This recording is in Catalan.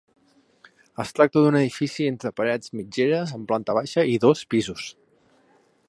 Es tracta d'un edifici entre parets mitgeres amb planta baixa i dos pisos.